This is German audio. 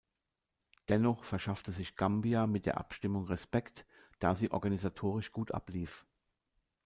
Dennoch verschaffte sich Gambia mit der Abstimmung Respekt, da sie organisatorisch gut ablief.